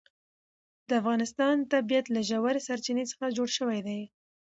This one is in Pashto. د افغانستان طبیعت له ژورې سرچینې څخه جوړ شوی دی.